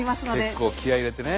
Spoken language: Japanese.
結構気合い入れてね。